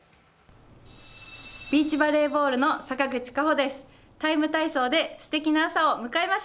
ビーチバレーボールの坂口佳穗です。